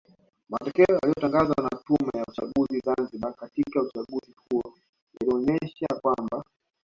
Matokeo yaliyatangazwa na Tume ya uchaguzi Zanzibari katika uchaguzi huo yalionesha kwamba